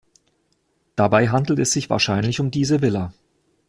Dabei handelt es sich wahrscheinlich um diese Villa.